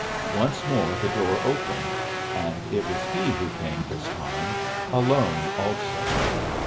Once more the door opened, and it was he who came this time, alone also.